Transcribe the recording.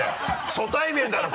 初対面だろう！